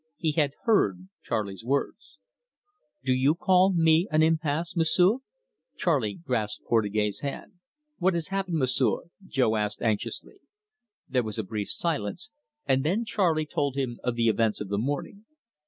He had heard Charley's words. "Do you call me an impasse, M'sieu'?" Charley grasped Portugais' hand. "What has happened, M'sieu'?" Jo asked anxiously. There was a brief silence, and then Charley told him of the events of the morning.